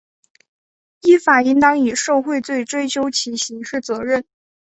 依法应当以受贿罪追究其刑事责任